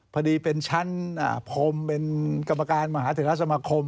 พอดีเป็นชั้นพรมเป็นกรรมการมหาเทราสมาคม